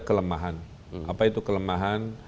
kelemahan apa itu kelemahan